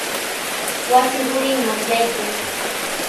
Wasi rurinman yaykuy.